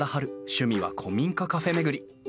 趣味は古民家カフェ巡り。